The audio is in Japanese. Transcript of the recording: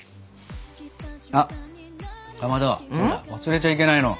あっかまどほら忘れちゃいけないの。